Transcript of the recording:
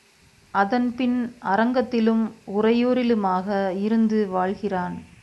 அதன்பின் அரங்கத்திலும் உறையூரிலுமாக இருந்து வாழ்கிறான்.